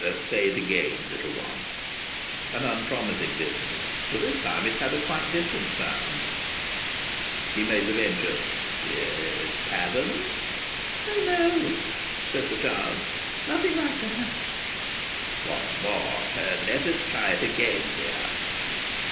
"Say it again, little one." An unpromising business. For this time it had quite a different sound. He made the venture: "Paddens?" "O no!" said the child. "Nothing like that." "Once more. Let us try it again, dear."